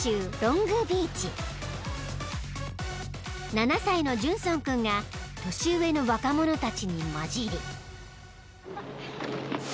［７歳のジュンソン君が年上の若者たちに交じり］